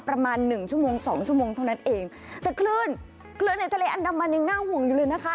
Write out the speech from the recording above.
ประมาณ๑๒ชั่วโมงเท่านั้นเองแต่คลื่นในทะเลอันดำมันยังน่าห่วงอยู่เลยนะคะ